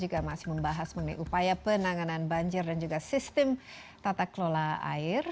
juga masih membahas mengenai upaya penanganan banjir dan juga sistem tata kelola air